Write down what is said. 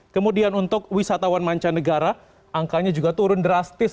kemudian untuk wisatawan mancanegara angkanya juga turun drastis